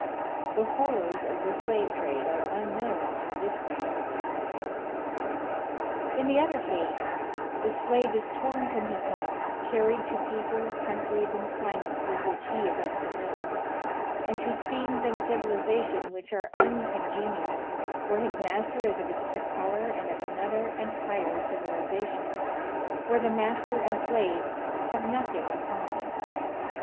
The horrors of the slave trade are unknown in this kind of slavery. In the other case the slave is torn from his home, carried to people, counti'ies, and climates with which he is unfamiliar, and to scenes and civilization which are uncongenial, where his master is of a different color and of another and higher civili zation, where the master and slave have nothing in common.